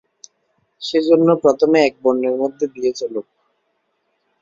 সেইজন্য প্রথমে এক বর্ণের মধ্যে বিয়ে চলুক।